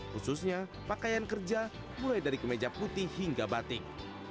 khususnya pakaian kerja mulai dari kemeja putih hingga batik